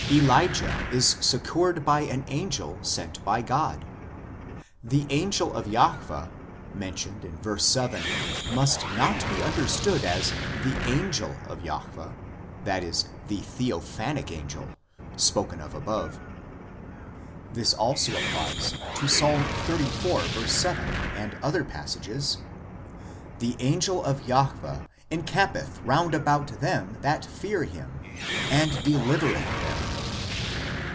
Elijah is succoured by an angel sent by God ; the angel of Jahwe mentioned in verse 7 must not be understood as " the angel of Jahwe " (the theophanic angel) spoken of above ; this also applies to Ps. xxxiv. 7 (8 in Hebr.) and other passages :" The angel of Jahwe encampeth round about them that fear Him, and delivereth them."